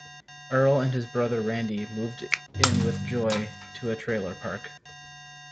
Earl and his brother Randy moved in with Joy to a trailer park.